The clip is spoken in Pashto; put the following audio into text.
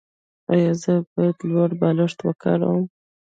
ایا زه باید لوړ بالښت وکاروم؟